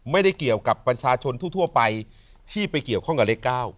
ไม่ได้เกี่ยวกับประชาชนทั่วไปที่ไปเกี่ยวข้องกับเลข๙